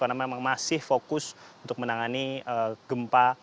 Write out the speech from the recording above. karena memang masih fokus untuk menangani gempa